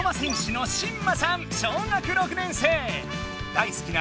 だいすきな